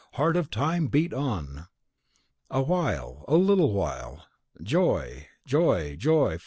Heart of Time, beat on! A while, a little while, joy! joy! joy!